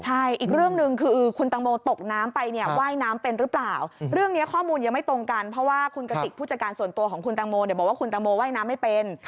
ใช่อีกเรื่องหนึ่งคือคุณตังโมตกน้ำไปเนี่ยว่ายน้ำเป็นหรือเปล่าเรื่องนี้ข้อมูลยังไม่ตรงกันเพราะว่าคุณกติกผู้จัดการส่วนตัวของคุณตังโมเนี่ยบอกว่าคุณตังโมว่ายน้ำไม่เป็น